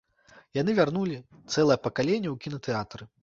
Яны вярнулі цэлае пакаленне ў кінатэатры.